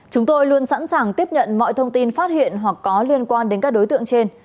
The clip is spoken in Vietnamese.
chúng tôi luôn sẵn sàng tiếp nhận mọi thông tin phát hiện hoặc có liên quan đến các đối tượng trên